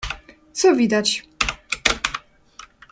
Co widać?